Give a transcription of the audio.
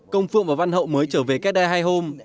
công phượng và văn hậu mới trở về kết đai hai hôm